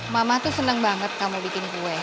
mama tuh senang banget kamu bikin kue